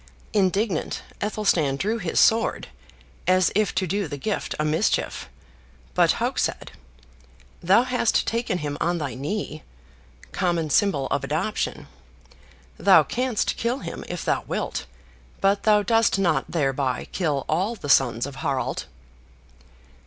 Indignant Athelstan drew his sword, as if to do the gift a mischief; but Hauk said, "Thou hast taken him on thy knee [common symbol of adoption]; thou canst kill him if thou wilt; but thou dost not thereby kill all the sons of Harald."